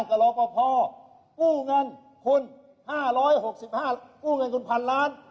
หลบหนึ่งพัน